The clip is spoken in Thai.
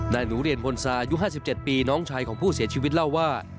หนูเรียนพลสายุ๕๗ปีน้องชายของผู้เสียชีวิตเล่าว่า